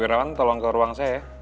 sekarang rewan tolong ke ruang saya ya